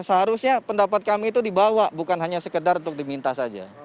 seharusnya pendapat kami itu dibawa bukan hanya sekedar untuk diminta saja